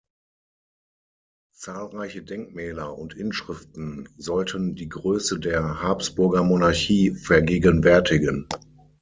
Zahlreiche Denkmäler und Inschriften sollten die Größe der Habsburgermonarchie vergegenwärtigen.